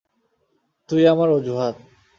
তুই আমার অযুহাত।